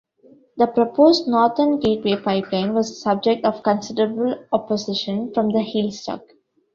The proposed Northern Gateway pipeline was the subject of considerable opposition from the Heiltsuk.